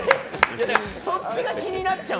そっちが気になっちゃう。